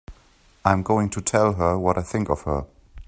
I'm going to tell her what I think of her!